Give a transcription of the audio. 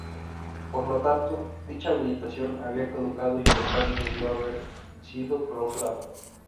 Por lo tanto, dicha habilitación había caducado y el local debió haber sido clausurado.